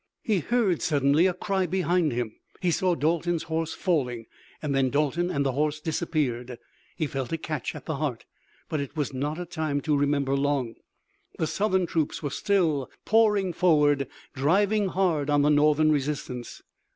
He heard suddenly a cry behind him. He saw Dalton's horse falling, and then Dalton and the horse disappeared. He felt a catch at the heart, but it was not a time to remember long. The Southern troops were still pouring forward driving hard on the Northern resistance.